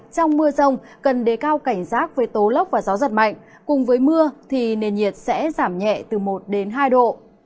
trong mưa rông cần đề cao cảnh giác với tố lốc và gió giật mạnh cùng với mưa thì nền nhiệt sẽ giảm nhẹ từ một đến hai độ